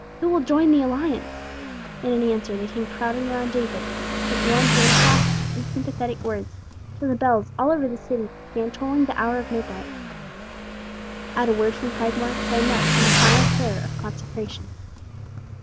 Who will join the alliance?" In answer they came crowding around David, with warm hand clasps and sympathetic words, till the bells all over the city began tolling the hour of midnight. At a word from Cragmore they knelt in the final prayer of consecration.